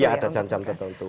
ada jam jam tertentu